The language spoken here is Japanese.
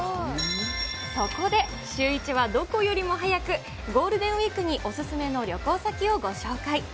そこでシューイチはどこよりも早く、ゴールデンウィークにお勧めの旅行先をご紹介。